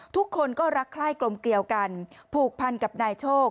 ทุกคนก็รักใคร่กลมเกลียวกันผูกพันกับนายโชค